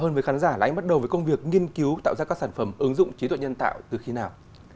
hơn với khán giả là anh bắt đầu với công việc nghiên cứu tạo ra các sản phẩm ứng dụng trí tuệ nhân tạo từ khi nào